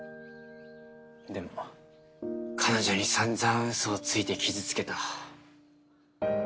でも彼女にさんざんウソをついて傷つけた。